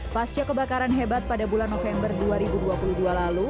pasca kebakaran hebat pada bulan november dua ribu dua puluh dua lalu